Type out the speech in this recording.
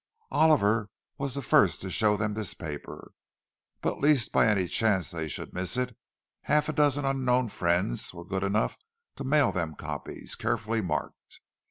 Oliver was the first to show them this paper. But lest by any chance they should miss it, half a dozen unknown friends were good enough to mail them copies, carefully marked.